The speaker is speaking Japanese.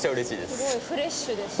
すごいフレッシュですね。